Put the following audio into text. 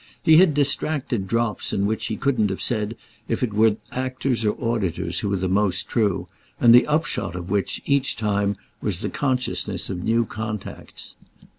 He had distracted drops in which he couldn't have said if it were actors or auditors who were most true, and the upshot of which, each time, was the consciousness of new contacts.